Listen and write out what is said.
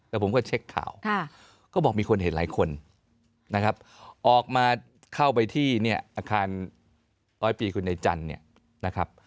แล้วผมก็เช็คข่าวก็บอกมีคนเห็นหลายคนออกมาเข้าไปที่อาคาร๑๐๐ปีคุณในจันทร์